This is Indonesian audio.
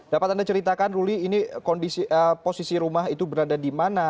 dapat anda ceritakan ruli ini posisi rumah itu berada di mana